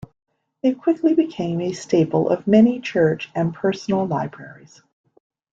It quickly became a staple of many Church and personal libraries.